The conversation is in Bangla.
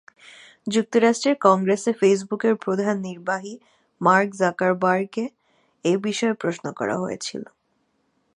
যুক্তরাষ্ট্রের কংগ্রেসে ফেসবুকের প্রধান নির্বাহী মার্ক জাকারবার্গকে এ বিষয়ে প্রশ্ন করা হয়েছিল।